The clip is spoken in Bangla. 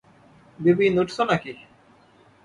– বিপিন, উঠছ নাকি?